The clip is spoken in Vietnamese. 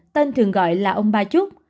tên thường gọi là ông ba trúc